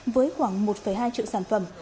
với khoảng một hai triệu sản phẩm